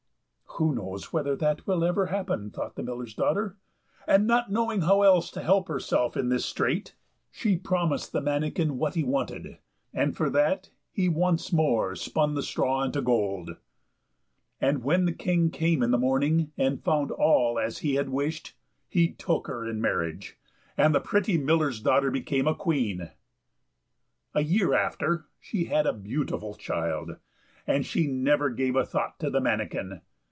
"Who knows whether that will ever happen?" thought the miller's daughter; and, not knowing how else to help herself in this strait, she promised the manikin what he wanted, and for that he once more span the straw into gold. And when the King came in the morning, and found all as he had wished, he took her in marriage, and the pretty miller's daughter became a Queen. A year after, she had a beautiful child, and she never gave a thought to the manikin.